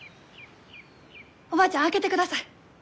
おばあちゃん開けてください。